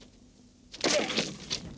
janganlah kau berguna